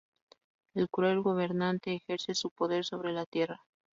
El cruel Gobernante ejerce su poder sobre la tierra.